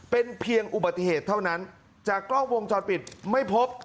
เป็นเพียงอุบัติเหตุเท่านั้นจากกล้องวงจรปิดไม่พบ